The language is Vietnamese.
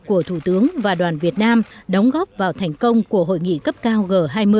của thủ tướng và đoàn việt nam đóng góp vào thành công của hội nghị cấp cao g hai mươi